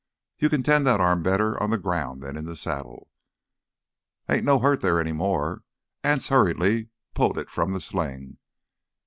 "You can tend that arm better on the ground than in the saddle." "Ain't no hurt there any more." Anse hurriedly pulled it from the sling.